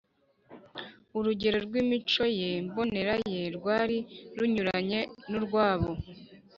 . Urugero rw’imico mbonera Ye rwari runyuranye n’urwabo